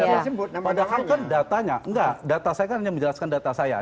padahal kan datanya enggak data saya kan hanya menjelaskan data saya